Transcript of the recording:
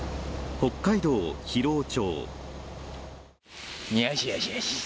北海道広尾町。